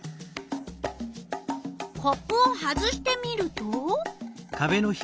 コップを外してみると。